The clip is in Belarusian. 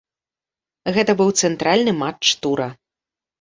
Гэта быў цэнтральны матч тура.